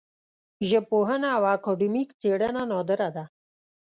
ژبپوهنه او اکاډمیک څېړنه نادره ده